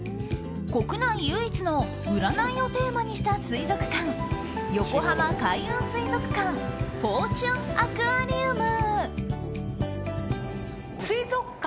国内唯一の占いをテーマにした水族館横浜開運水族館フォーチュンアクアリウム。